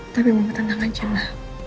tapi mama tenang aja ma